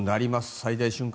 最大瞬間